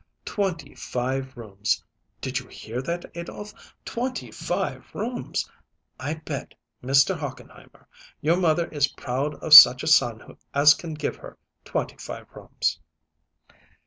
"Twenty five rooms! Did you hear that, Adolph? Twenty five rooms! I bet, Mr. Hochenheimer, your mother is proud of such a son as can give her twenty five rooms."